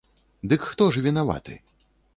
Дык хто ж вінаваты?